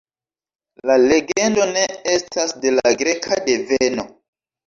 La legendo ne estas de la greka deveno.